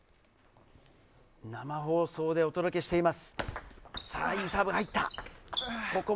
生放送でお届けしています。